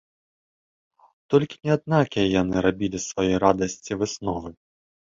Толькі не аднакія яны рабілі з сваёй радасці высновы.